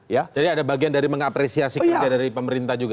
jadi ada bagian dari mengapresiasi kerja dari pemerintah juga